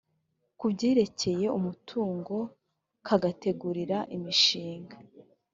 ku byerekeye umutungo kagategura imishinga